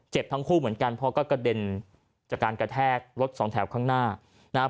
ทั้งคู่เหมือนกันเพราะก็กระเด็นจากการกระแทกรถสองแถวข้างหน้านะครับ